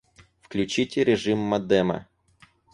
Включите режим модема